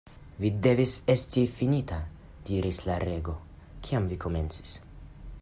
"Vi devis esti fininta," diris la Rego, "Kiam vi komencis?"